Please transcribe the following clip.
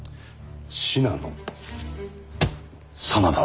信濃真田。